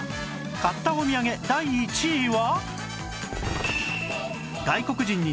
買ったお土産第１位は